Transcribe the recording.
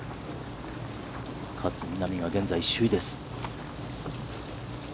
勝みなみが現在首位です。